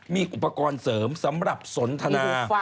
มีอุปกรณ์เสริมสำหรับสนทนา